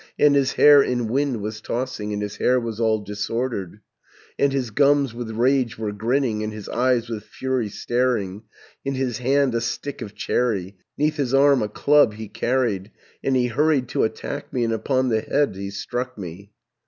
And his hair in wind was tossing, And his hair was all disordered, 700 And his gums with rage were grinning, And his eyes with fury staring, In his hand a stick of cherry, 'Neath his arm a club he carried, And he hurried to attack me, And upon the head he struck me.